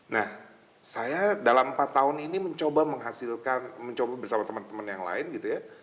nah saya dalam empat tahun ini mencoba menghasilkan mencoba bersama teman teman yang lain gitu ya